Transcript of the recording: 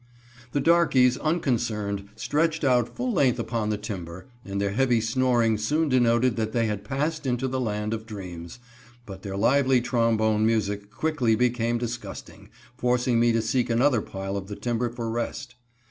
The darkies, unconcerned, stretched out full length upon the timber, and their heavy snoring soon denoted that they had passed into the land of dreams, but their lively trombone music quickly became disgusting, forcing me to seek another pile of the timber for rest.